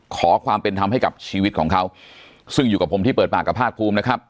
ขอความเป็นธรรมให้กับชีวิตของเขาซึ่งอยู่กับผมที่เปิดปากกับภาคภูมินะครับ